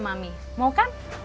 sama mami mau kan